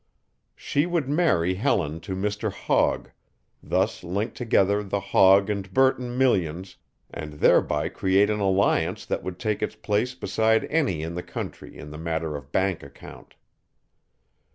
She would marry Helen to Mr. Hogg, thus link together the Hogg and Burton millions and thereby create an alliance that would take its place beside any in the country in the matter of bank account.